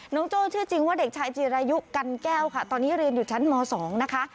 โจ้ชื่อจริงว่าเด็กชายจีรายุกันแก้วค่ะตอนนี้เรียนอยู่ชั้นม๒นะคะ